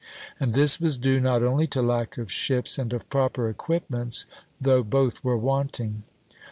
And this was due not only to lack of ships and of proper equipments, though both were wanting.